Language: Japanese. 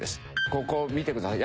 ここ見てください。